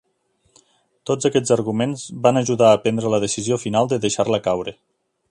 Tots aquests arguments van ajuda a prendre la decisió final de deixar-la caure.